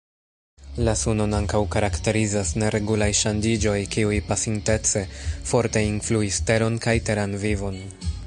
La Sunon ankaŭ karakterizas neregulaj ŝanĝiĝoj kiuj, pasintece, forte influis Teron kaj teran vivon.